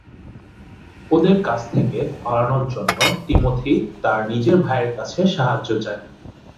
ওদের কাছ থেকে পালানোর জন্য টিমোথি তার নিজের ভাইয়ের কাছে সাহায্য চায়।